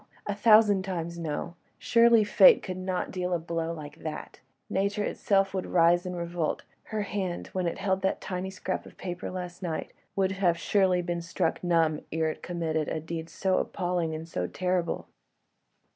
a thousand times no! Surely Fate could not deal a blow like that: Nature itself would rise in revolt: her hand, when it held that tiny scrap of paper last night, would surely have been struck numb ere it committed a deed so appalling and so terrible.